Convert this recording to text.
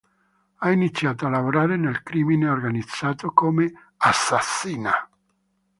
Ha iniziato a lavorare nel crimine organizzato come assassina.